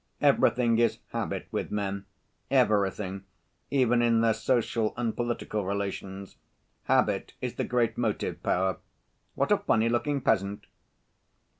Everything is habit with men, everything even in their social and political relations. Habit is the great motive‐power. What a funny‐looking peasant!"